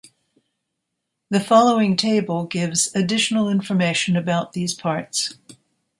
The following table gives additional information about these parts.